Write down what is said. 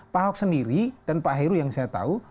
pak ahok sendiri dan pak heru yang saya tahu